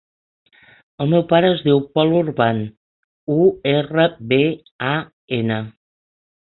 El meu pare es diu Pol Urban: u, erra, be, a, ena.